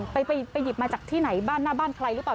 ไปหยิบมาจากที่ไหนบ้านหน้าบ้านใครหรือเปล่า